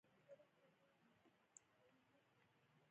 اوس یوازې د ونو تنې، د ونو بېخه برې سرونه.